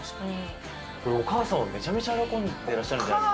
お母さんもめちゃめちゃ喜んでらっしゃるんじゃないですか。